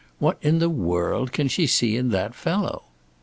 "What in the world can she see in the fellow?"